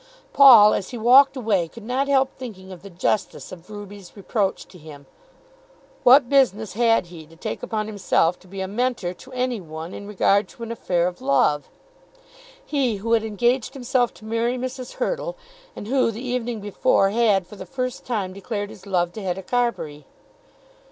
Paul as he walked away could not help thinking of the justice of Ruby's reproach to him. What business had he to take upon himself to be a Mentor to any one in regard to an affair of love; he, who had engaged himself to marry Mrs. Hurtle, and who the evening before had for the first time declared his love to Hetta Carbury?